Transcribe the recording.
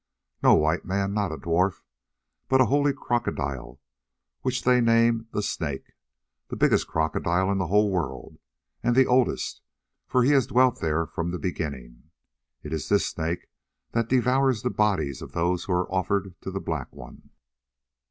"No, White Man, not a dwarf, but a holy crocodile which they name the Snake, the biggest crocodile in the whole world, and the oldest, for he has dwelt there from the beginning. It is this Snake that devours the bodies of those who are offered to the Black One."